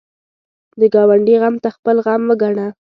د ګاونډي غم ته خپل غم وګڼه